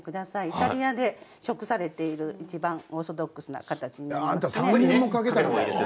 イタリアで食されているいちばんオーソドックスな形になります。